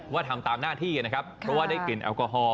ว่าทำตามหน้าที่เพราะได้กลิ่นแอลกอฮอล์